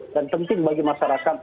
dan penting bagi masyarakat